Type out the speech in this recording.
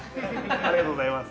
ありがとうございます。